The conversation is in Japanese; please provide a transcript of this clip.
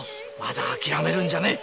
あきらめるんじゃねえ！